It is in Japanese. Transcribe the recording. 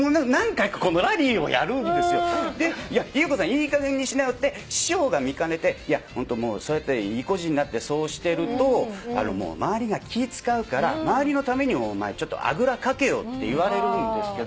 いいかげんにしなよ」って師匠が見かねて「ホントそうやって意固地になってそうしてると周りが気ぃ使うから周りのためにもお前あぐらかけよ」って言われるんですけど。